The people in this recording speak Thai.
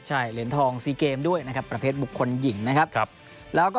เรียนทองซีกรีมประเภทบุคคลหญิง